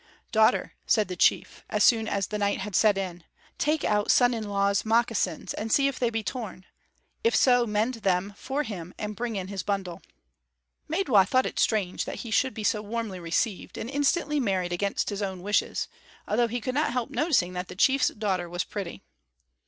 "Daughter," said the chief, as soon as the night had set in, "take out son in law's moccasins and see if they be torn; if so, mend them for him and bring in his bundle." Maidwa thought it strange that he should be so warmly received, and instantly married against his own wishes, although he could not help noticing that the chief's daughter was pretty.